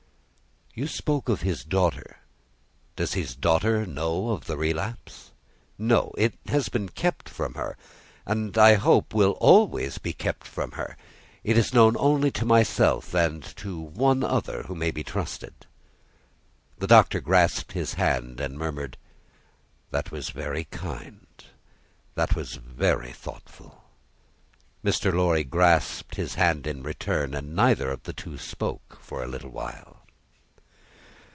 "You spoke of his daughter. Does his daughter know of the relapse?" "No. It has been kept from her, and I hope will always be kept from her. It is known only to myself, and to one other who may be trusted." The Doctor grasped his hand, and murmured, "That was very kind. That was very thoughtful!" Mr. Lorry grasped his hand in return, and neither of the two spoke for a little while.